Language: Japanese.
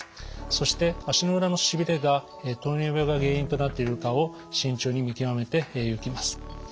そして足の裏のしびれが糖尿病が原因となっているかを慎重に見極めていきます。